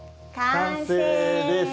完成です！